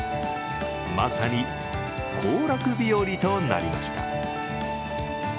まさに行楽日和となりました。